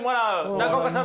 中岡さん